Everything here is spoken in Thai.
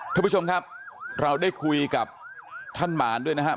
ท่านผู้ชมครับเราได้คุยกับท่านหมานด้วยนะครับ